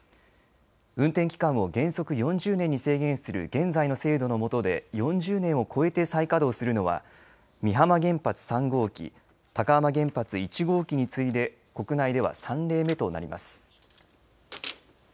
運転期間を原則４０年に制限する現在の制度のもとで４０年を超えて再稼働するのは美浜原発３号機、高浜原発１号機に次いで国内では３例目となります。